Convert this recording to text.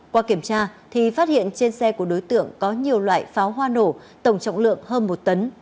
qua kiểm tra thì phát hiện trên xe của đối tượng có nhiều loại pháo hoa nổ tổng trọng lượng hơn một tấn